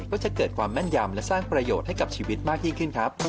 ก็จะเกิดความแม่นยำและสร้างประโยชน์ให้กับชีวิตมากยิ่งขึ้นครับ